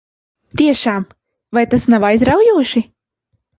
Tiešām? Vai tas nav aizraujoši?